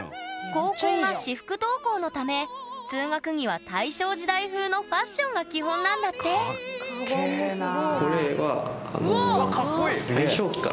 高校が私服登校のため通学着は大正時代風のファッションが基本なんだってかっけえなあ。